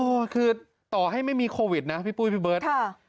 โอ้โหคือต่อให้ไม่มีโควิดนะพี่ปุ้ยพี่เบิร์ตค่ะ